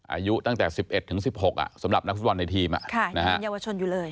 อายุตั้งแต่๑๑ถึง๑๖สำหรับนักฟุตบอลในทีมเป็นเยาวชนอยู่เลย